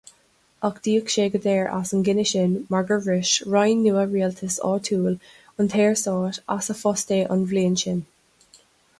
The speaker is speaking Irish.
Ach d'íoc sé go daor as an gcinneadh sin mar gur bhris roinn nua rialtais áitiúil an tSaorstáit as a phost é an bhliain sin.